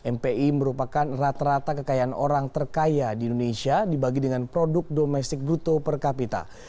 mpi merupakan rata rata kekayaan orang terkaya di indonesia dibagi dengan produk domestik bruto per kapita